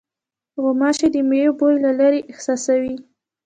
غوماشې د مېوې بوی له لېرې احساسوي.